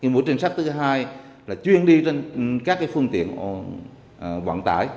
mũi trinh sát thứ hai là chuyên đi trên các phương tiện vận tải